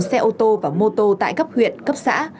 xe ô tô và mô tô tại cấp huyện cấp xã